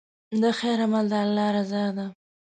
د خیر عمل د الله رضا ده.